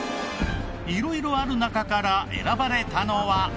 色々ある中から選ばれたのは。